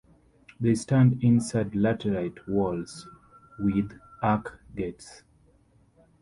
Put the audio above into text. They stand inside laterite walls with arch gates.